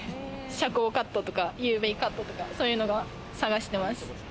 遮光カットとかＵＶカットとか、そういうのを探してます。